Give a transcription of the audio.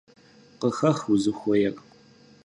Къыхэх узыхуейр.